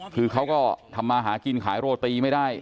คือเขาก็ทำมาหากินขายโรตีไม่ได้